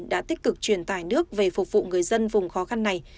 đã tích cực truyền tải nước về phục vụ người dân vùng khó khăn này